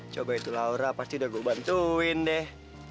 coba itu laura pasti udah gue bantuin deh